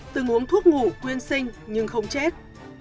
từng uống thuốc ngủ quyên sinh nhưng không chết